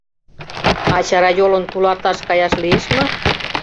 А чарайолын туларташ каяш лиеш мо?